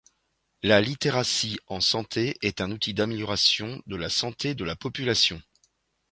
La littératie en santé est un outil d'amélioration de la santé de la population.